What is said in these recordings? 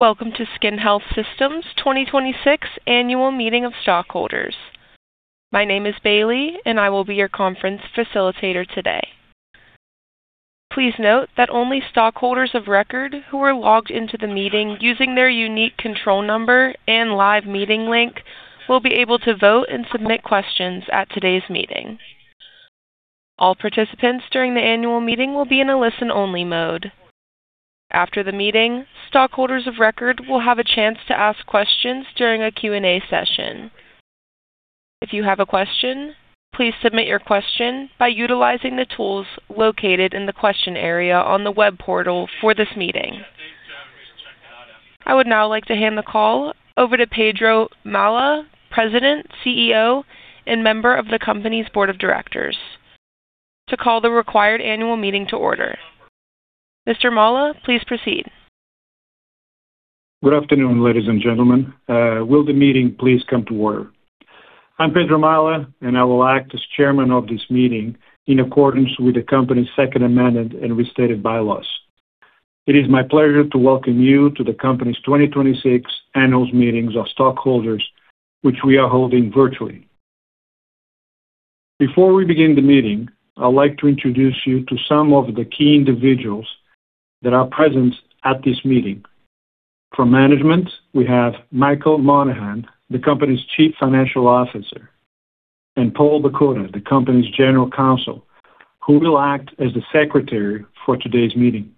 Welcome to SkinHealth Systems' 2026 Annual Meeting of Stockholders. My name is Bailey, and I will be your conference facilitator today. Please note that only stockholders of record who are logged into the meeting using their unique control number and live meeting link will be able to vote and submit questions at today's meeting. All participants during the annual meeting will be in a listen-only mode. After the meeting, stockholders of record will have a chance to ask questions during a Q&A session. If you have a question, please submit your question by utilizing the tools located in the question area on the web portal for this meeting. I would now like to hand the call over to Pedro Malha, President, CEO, and member of the company's Board of Directors, to call the required annual meeting to order. Mr. Malha, please proceed. Good afternoon, ladies and gentlemen. Will the meeting please come to order? I am Pedro Malha, and I will act as chairman of this meeting in accordance with the company's second amendment and restated bylaws. It is my pleasure to welcome you to the company's 2026 Annual Meetings of Stockholders, which we are holding virtually. Before we begin the meeting, I'd like to introduce you to some of the key individuals that are present at this meeting. From management, we have Michael Monahan, the company's chief financial officer, and Paul Bokota, the company's general counsel, who will act as the secretary for today's meeting.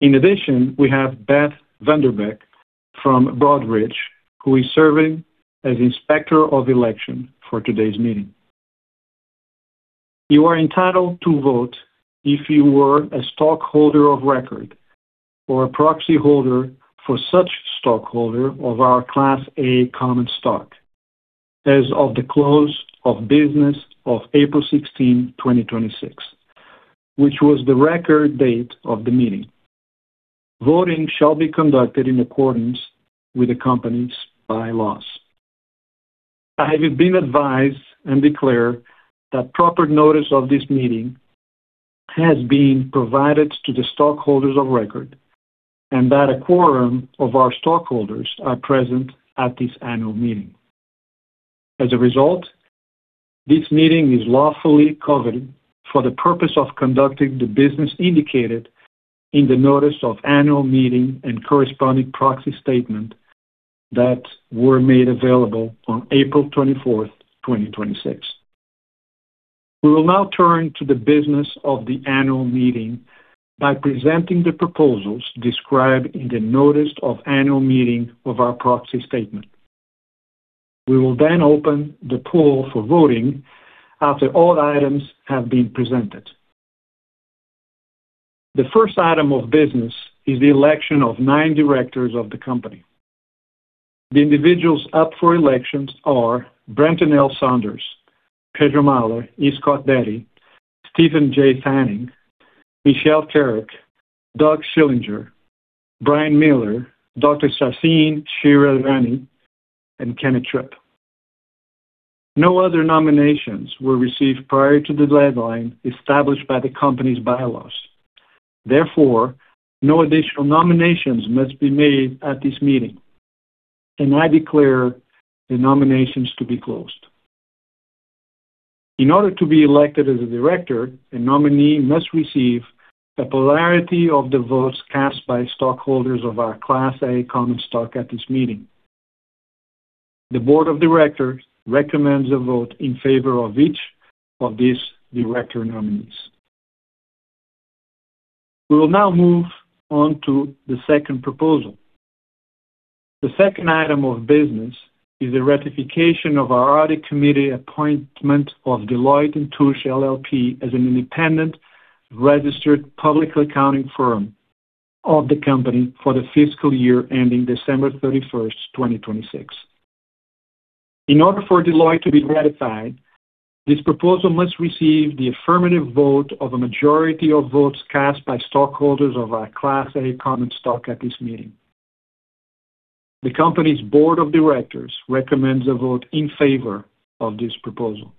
In addition, we have Beth Vanderbeck from Broadridge, who is serving as Inspector of Election for today's meeting. You are entitled to vote if you were a stockholder of record or a proxy holder for such stockholder of our Class A common stock as of the close of business of April 16, 2026, which was the record date of the meeting. Voting shall be conducted in accordance with the company's bylaws. I have been advised and declare that proper notice of this meeting has been provided to the stockholders of record and that a quorum of our stockholders are present at this annual meeting. As a result, this meeting is lawfully covered for the purpose of conducting the business indicated in the notice of annual meeting and corresponding proxy statement that were made available on April 24th, 2026. We will now turn to the business of the annual meeting by presenting the proposals described in the notice of annual meeting of our proxy statement. We will then open the poll for voting after all items have been presented. The first item of business is the election of nine directors of the company. The individuals up for elections are Brenton L. Saunders, Pedro Malha, E. Scott Beattie, Stephen J. Fanning, Michelle Kerrick, Doug Schillinger, Brian Miller, Dr. Sachin Shridharani, and Kenneth Tripp. No other nominations were received prior to the deadline established by the company's bylaws. Therefore, no additional nominations must be made at this meeting, and I declare the nominations to be closed. In order to be elected as a director, a nominee must receive the plurality of the votes cast by stockholders of our Class A common stock at this meeting. The Board of Directors recommends a vote in favor of each of these director nominees. We will now move on to the second proposal. The second item of business is a ratification of our audit committee appointment of Deloitte & Touche LLP as an independent registered public accounting firm of the company for the fiscal year ending December 31, 2026. In order for Deloitte to be ratified, this proposal must receive the affirmative vote of a majority of votes cast by stockholders of our Class A common stock at this meeting. The company's Board of Directors recommends a vote in favor of this proposal.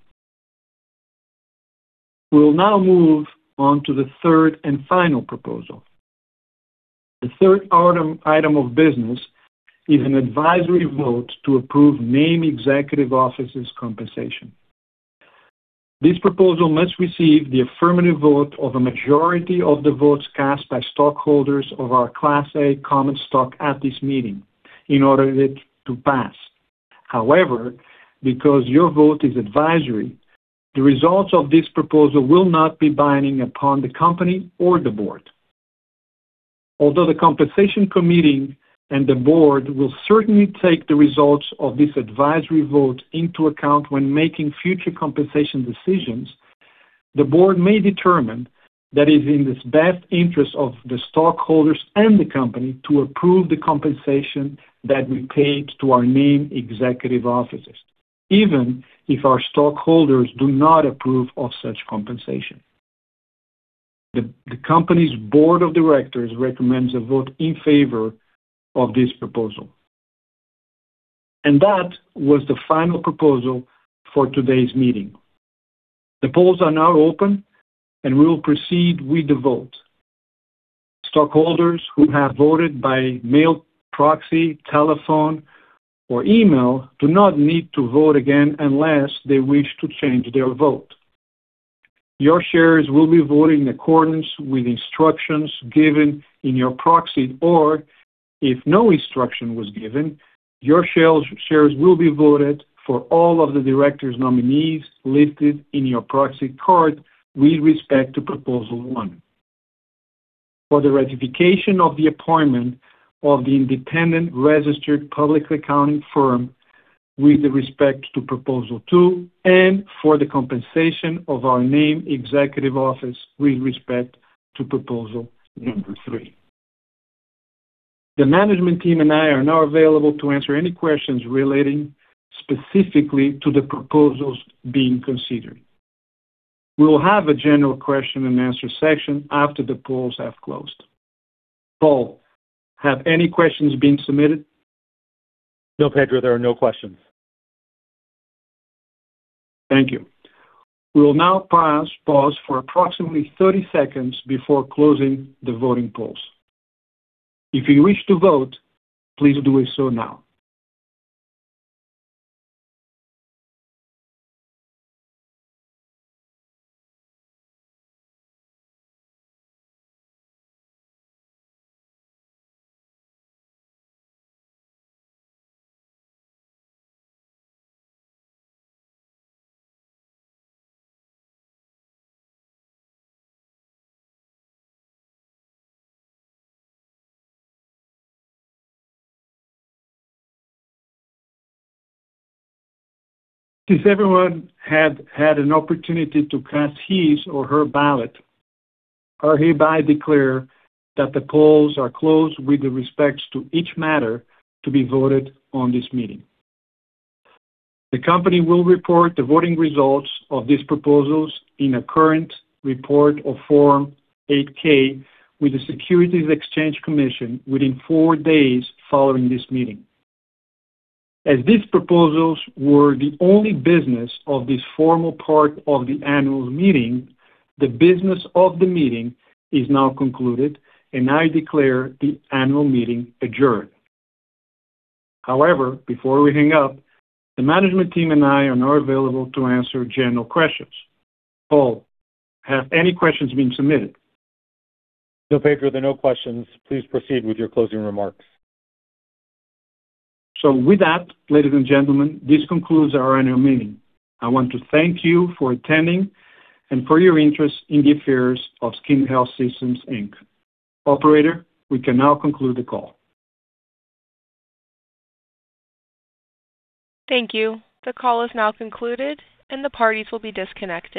We will now move on to the third and final proposal. The third item of business is an advisory vote to approve named executive officers' compensation. This proposal must receive the affirmative vote of a majority of the votes cast by stockholders of our Class A common stock at this meeting in order for it to pass. Because your vote is advisory, the results of this proposal will not be binding upon the company or the board. Although the Compensation Committee and the Board will certainly take the results of this advisory vote into account when making future compensation decisions, the Board may determine that it's in the best interest of the stockholders and the company to approve the compensation that we paid to our named executive officers, even if our stockholders do not approve of such compensation. The company's Board of Directors recommends a vote in favor of this proposal. That was the final proposal for today's meeting. The polls are now open, and we will proceed with the vote. Stockholders who have voted by mail, proxy, telephone, or email do not need to vote again unless they wish to change their vote. Your shares will be voted in accordance with instructions given in your proxy. If no instruction was given, your shares will be voted for all of the directors' nominees listed in your proxy card with respect to proposal one. For the ratification of the appointment of the independent registered public accounting firm with respect to proposal two, for the compensation of our named executive officer with respect to proposal number three. The management team and I are now available to answer any questions relating specifically to the proposals being considered. We will have a general question and answer session after the polls have closed. Paul, have any questions been submitted? No, Pedro, there are no questions. Thank you. We will now pause for approximately 30 seconds before closing the voting polls. If you wish to vote, please do so now. Since everyone had an opportunity to cast his or her ballot, I hereby declare that the polls are closed with respect to each matter to be voted on this meeting. The company will report the voting results of these proposals in a current report of Form 8-K with the Securities and Exchange Commission within four days following this meeting. As these proposals were the only business of this formal part of the annual meeting, the business of the meeting is now concluded, and I declare the annual meeting adjourned. Before we hang up, the management team and I are now available to answer general questions. Paul, have any questions been submitted? No, Pedro, there are no questions. Please proceed with your closing remarks. With that, ladies and gentlemen, this concludes our annual meeting. I want to thank you for attending and for your interest in the affairs of SkinHealth Systems Inc. Operator, we can now conclude the call. Thank you. The call is now concluded, and the parties will be disconnected.